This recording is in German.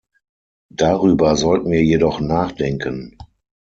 Darüber sollten wir jedoch nachdenken.